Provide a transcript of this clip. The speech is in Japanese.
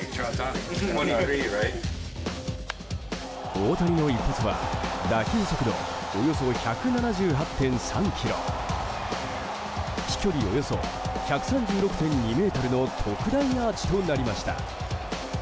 大谷の一発は打球速度およそ１７８．３キロ飛距離およそ１３６．２ｍの特大アーチとなりました。